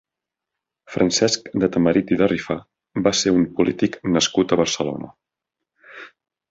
Francesc de Tamarit i de Rifà va ser un polític nascut a Barcelona.